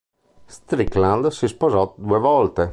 Strickland si sposò due volte.